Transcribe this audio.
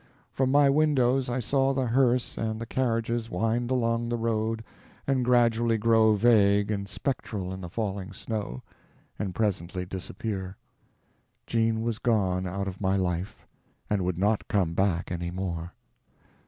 From my windows I saw the hearse and the carriages wind along the road and gradually grow vague and spectral in the falling snow, and presently disappear. Jean was gone out of my life, and would not come back any more.